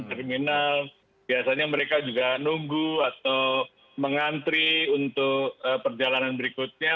terminal biasanya mereka juga nunggu atau mengantri untuk perjalanan berikutnya